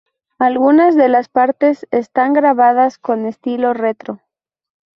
Algunas de las partes están grabadas con estilo retro.